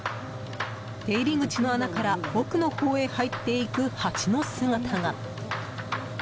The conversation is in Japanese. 出入り口の穴から奥の方へ入っていくハチの姿が。